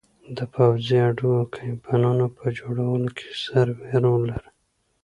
د پوځي اډو او کمینونو په جوړولو کې سروې رول لري